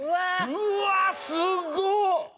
うわすごっ！